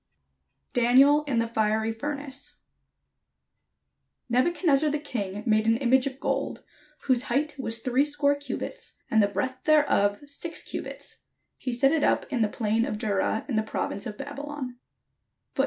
] DANIEL IN THE FIERY FURNACE Nebuchadnezzar the king made an image of gold, whose height was threescore cubits/ and the breadth thereof six cubits: he set it up in the plain of Dura, in the province of Babylon.